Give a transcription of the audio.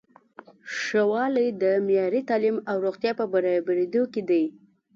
ښه والی د معیاري تعلیم او روغتیا په برابریدو کې دی.